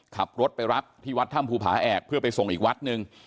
ขับรถไปรับที่วัดถ้ำภูผาแอกเพื่อไปส่งอีกวัดหนึ่ง